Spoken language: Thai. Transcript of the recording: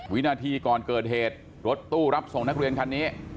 วินาทีก่อนเกิดเหตุรถตู้รับส่งนักเรียนคันนี้